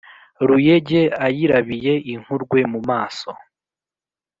ruyege ayirabiye inkurwe mu maso